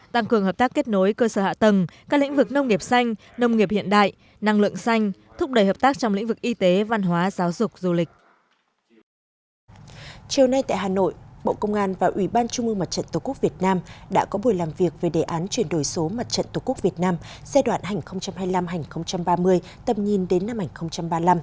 tăng cường hợp tác kết nối cơ sở hạ tầng các lĩnh vực nông nghiệp xanh nông nghiệp hiện đại năng lượng xanh thúc đẩy hợp tác trong lĩnh vực y tế văn hóa giáo dục du lịch